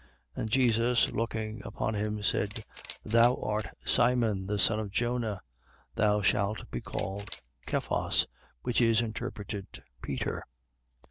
And Jesus looking upon him, said: Thou art Simon the son of Jona. Thou shalt be called Cephas, which is interpreted Peter.